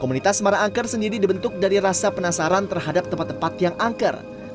komunitas semarang angker sendiri dibentuk dari rasa penasaran terhadap tempat tempat yang angker